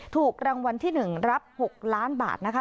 ถูกรางวัลที่๑รับ๖ล้านบาทนะคะ